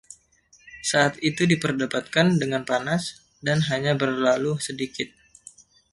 Saat itu diperdebatkan dengan panas, dan hanya berlalu sedikit.